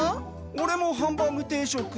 オレもハンバーグ定食。